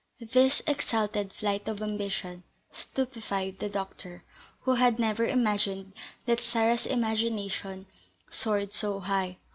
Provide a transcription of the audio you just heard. This exalted flight of ambition stupefied the doctor, who had never imagined that Sarah's imagination soared so high.